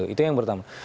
itu yang pertama